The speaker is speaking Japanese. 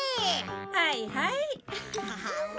はいはい。